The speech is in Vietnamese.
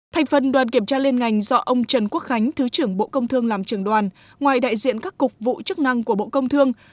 thành phần đoàn kiểm tra liên ngành do ông trần quốc khánh thứ trưởng bộ công thương làm trường đoàn ngoài đại diện các cục vụ chức năng của bộ công thương